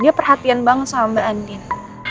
dia perhatian banget sama mbak andin